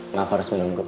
maaf harus menunggu